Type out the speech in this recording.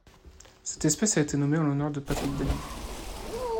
Cette espèce a été nommée en l'honneur de Patrick David.